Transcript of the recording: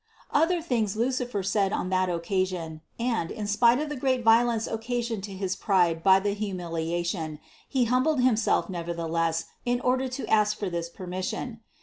Other things Lucifer said on that occa sion, and, in spite of the great violence occasioned to his pride by the humiliation, he humbled himself neverthe less in order to ask for this permission.